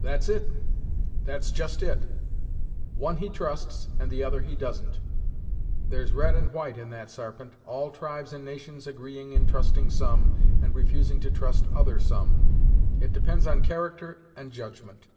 "That's it! That's just it! One he trusts, and the other he doesn't. There's red and white in that, Sarpent, all tribes and nations agreeing in trusting some, and refusing to trust other some. It depends on character and judgment."